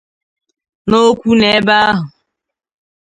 N'okwu n'ebe ahụ